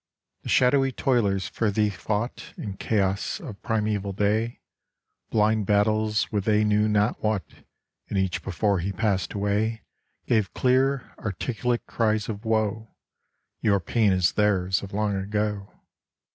The shadowy toilers for thee fought In chaos of primeval day Blind battles with they knew not what ; And each before he passed away Gave clear articulate cries of woe : Your pain is theirs of long ago.